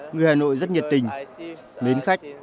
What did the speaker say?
người hà nội rất nhiệt tình mến khách